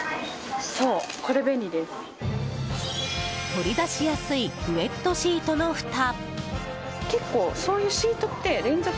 取り出しやすいウェットシートのふた。